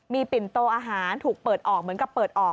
มีปิ่นโตอาหารถูกเปิดออกเหมือนกับเปิดออก